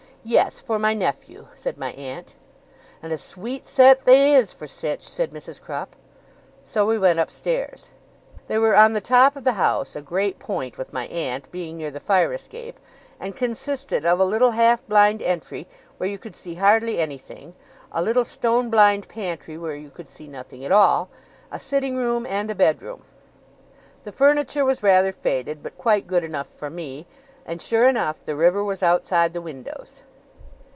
'Yes, for my nephew,' said my aunt. 'And a sweet set they is for sich!' said Mrs. Crupp. So we went upstairs. They were on the top of the house a great point with my aunt, being near the fire escape and consisted of a little half blind entry where you could see hardly anything, a little stone blind pantry where you could see nothing at all, a sitting room, and a bedroom. The furniture was rather faded, but quite good enough for me; and, sure enough, the river was outside the windows.